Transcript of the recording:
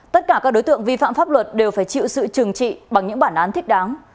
tất cả các đối tượng vi phạm pháp luật đều phải chịu sự trừng trị bằng những bản án thích đáng